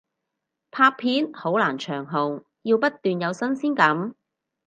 拍片好難長紅，要不斷有新鮮感